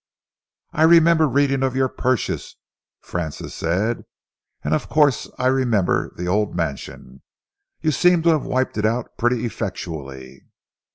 "I remember reading of your purchase," Francis said, "and of course I remember the old mansion. You seem to have wiped it out pretty effectually."